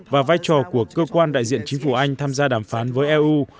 và vai trò của cơ quan đại diện chính phủ anh tham gia đàm phán với eu